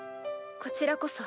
こちらこそ。